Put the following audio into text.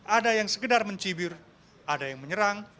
ada yang sekedar mencibir ada yang menyerang